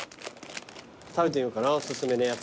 食べてみようかなお薦めのやつ。